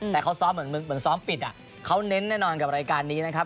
แต่เขาซ้อมเหมือนซ้อมปิดเขาเน้นแน่นอนกับรายการนี้นะครับ